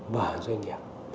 và doanh nghiệp